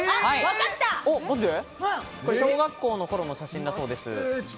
小学校の頃の写真だそうです。